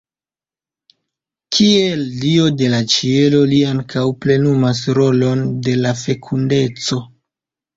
Kiel dio de la ĉielo li ankaŭ plenumas rolon de la fekundeco.